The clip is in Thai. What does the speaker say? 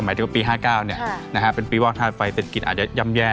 หมายถึงว่าปีห้าเก้าเนี่ยค่ะนะฮะเป็นปีวอกท่าไฟเต็ดกินอาจจะย่ำแย่